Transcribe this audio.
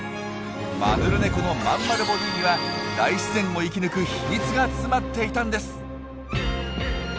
マヌルネコのまんまるボディーには大自然を生き抜く秘密が詰まっていたんです！